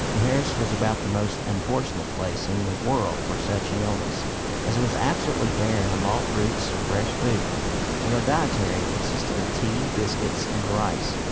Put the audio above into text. Mujeres was about the most unfortunate place in the world for such an illness, as it was absolutely barren of all fruits or fresh food, and our dietary consisted of tea, biscuits, and rice.